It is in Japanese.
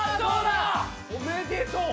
「おめでとう！」